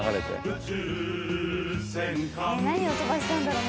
何を飛ばしたんだろう？